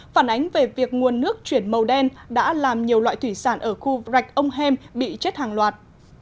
phản ánh về việc nguồn nước chuyển màu đen đã làm nhiều loại thủy sản ở khu rạch ông hem bị chết hàng loạt